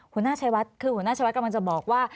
คุณหน้าชายวัดกำลังจะบอกว่า